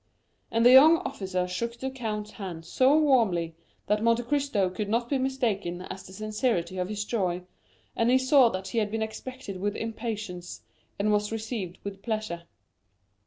And the young officer shook the count's hand so warmly, that Monte Cristo could not be mistaken as to the sincerity of his joy, and he saw that he had been expected with impatience, and was received with pleasure.